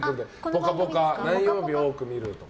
「ぽかぽか」何曜日多く見るとか。